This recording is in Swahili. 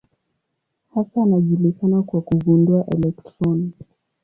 Hasa anajulikana kwa kugundua elektroni.